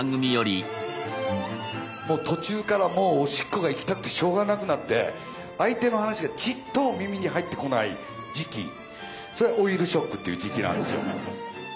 途中からもうおしっこが行きたくてしょうがなくなって相手の話がちっとも耳に入ってこない時期それが「老いるショック」っていう時期なんですよ。